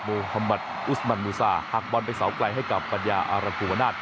ฮัมมัติอุสมันมูซาหักบอลไปเสาไกลให้กับปัญญาอารภูมิวนาศ